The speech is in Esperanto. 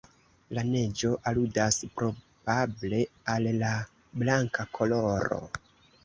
La neĝo aludas probable al la blanka koloro.